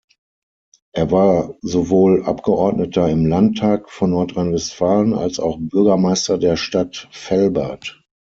Er war sowohl Abgeordneter im Landtag von Nordrhein-Westfalen, als auch Bürgermeister der Stadt Velbert.